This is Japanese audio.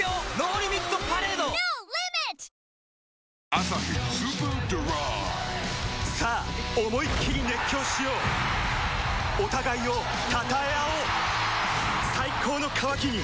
「アサヒスーパードライ」さあ思いっきり熱狂しようお互いを称え合おう最高の渇きにＤＲＹ